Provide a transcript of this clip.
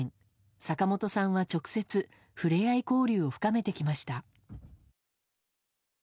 坂本さんは直接触れ合い交流を深めてきました。